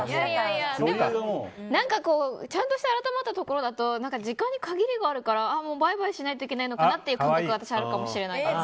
でも、ちゃんとした改まったところだと時間に限りがあるからもうバイバイしないといけないのかなという感覚が私はあるかもしれないです。